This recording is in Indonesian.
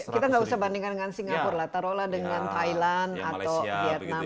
kita gak usah bandingkan dengan singapura lah taruh lah dengan thailand atau vietnam malaysia yang lebih mirip